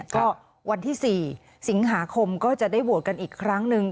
ก็วันที่๔สิงหาคมก็จะได้โหวตกันอีกครั้งหนึ่ง